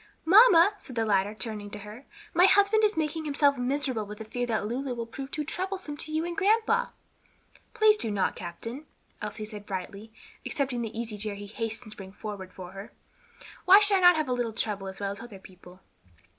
"Mamma," said the latter, turning to her, "my husband is making himself miserable with the fear that Lulu will prove too troublesome to you and grandpa." "Please do not, captain," Elsie said brightly, accepting the easy chair he hastened to bring forward for her. "Why should I not have a little trouble as well as other people?